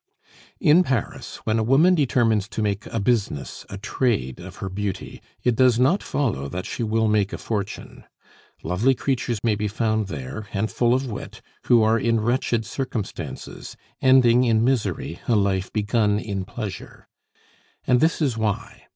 In Paris, when a woman determines to make a business, a trade, of her beauty, it does not follow that she will make a fortune. Lovely creatures may be found there, and full of wit, who are in wretched circumstances, ending in misery a life begun in pleasure. And this is why.